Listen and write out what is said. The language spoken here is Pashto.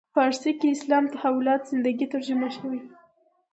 فارسي کې اسلام تحولات زندگی ترجمه شوی.